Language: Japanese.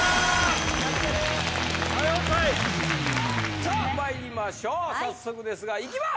さあまいりましょう早速ですがいきます！